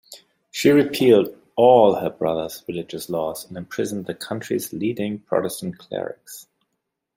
She repealed all her brother's religious laws and imprisoned the country's leading Protestant clerics.